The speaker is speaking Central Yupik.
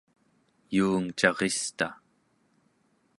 yuungcarista